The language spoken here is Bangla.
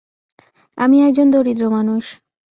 আমি এক জন দরিদ্র মানুষ।